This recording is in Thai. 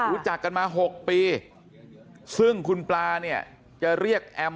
รู้จักกันมา๖ปีซึ่งคุณปลาเนี่ยจะเรียกแอม